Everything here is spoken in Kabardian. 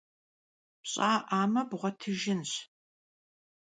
Pş'a'ame bğuetıjjınş.